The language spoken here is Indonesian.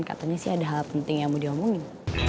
katanya sih ada hal penting yang mau diomongin